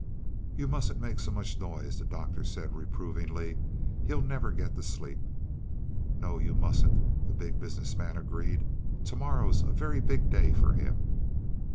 "You mustn't make so much noise," the Doctor said reprovingly. "He'll never get to sleep." "No, you mustn't," the Big Business Man agreed. "To morrow's a very very big day for him."